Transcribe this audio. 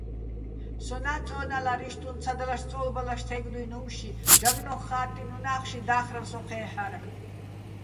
სონა́ წო́ნალარ იშტუჼ ცადლაშ-წო́ლბალაშ თე́გდუჲნი̆ უ̂მში, ჟაგნო́ხ ხა́ტტინო̆ უნა́ხში და́ხრელო სო ჴე́ჰ̦არ.